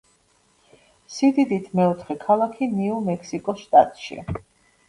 სიდიდით მეოთხე ქალაქი ნიუ-მექსიკოს შტატში.